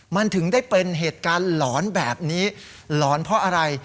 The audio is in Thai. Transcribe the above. มันถึงได้เป็นเหตุการณ์หลอนแบบนี้หลอนเพราะอะไร